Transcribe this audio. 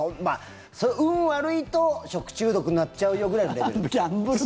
運が悪いと食中毒になっちゃうよぐらいのレベル。